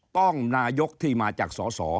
ต้องนายกที่มาจากสส